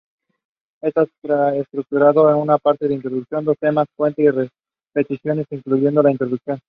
Está estructurado en una introducción, dos temas, puente y repeticiones, incluyendo la introducción.